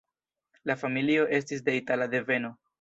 La familio estis de itala deveno.